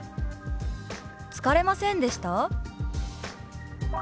「疲れませんでした？」。